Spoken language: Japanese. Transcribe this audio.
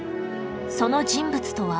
その人物とは